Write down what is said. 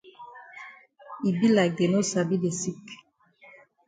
E be like dey no sabi de sick.